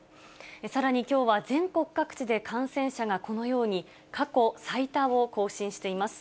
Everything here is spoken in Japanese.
さらに、きょうは全国各地で感染者がこのように過去最多を更新しています。